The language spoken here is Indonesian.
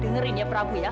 dengerin ya prabu ya